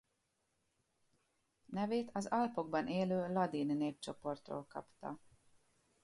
Nevét az Alpokban élő ladin népcsoportról kapta.